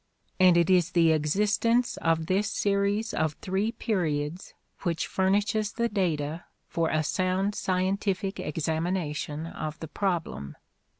And it is the existence of this series of three periods which furnishes the data for a sound scientific examination of the problem.